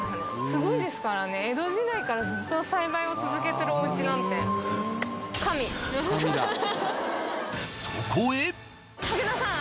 すごいですからね江戸時代からずっと栽培を続けてるおうちなんてすいません